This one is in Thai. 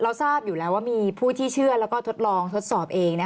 ทราบอยู่แล้วว่ามีผู้ที่เชื่อแล้วก็ทดลองทดสอบเอง